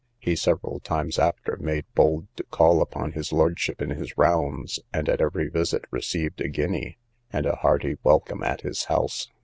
He several times after made bold to call upon his lordship in his rounds, and at every visit received a guinea, and a hearty welcome at his house.